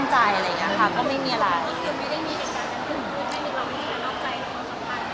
ก็คือมีได้มีเหตุการณ์หรือไม่ได้มีใครนอกใจหรือเป็นใคร